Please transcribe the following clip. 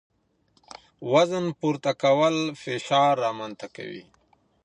وزن پورته کول فشار رامنځ ته کوي.